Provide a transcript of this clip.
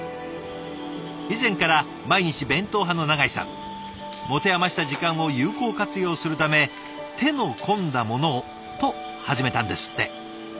以前から毎日弁当派の永井さん持て余した時間を有効活用するため「手の込んだものを！」と始めたんですって。